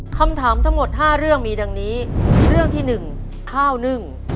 คำถามทั้งหมด๕เรื่องมีดังนี้เรื่องที่๑ข้าวนึ่ง